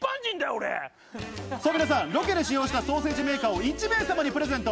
さぁ皆さん、ロケで使用したソーセージメーカーを１名様にプレゼント。